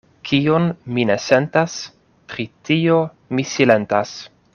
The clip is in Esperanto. Kion mi ne sentas, pri tio mi silentas.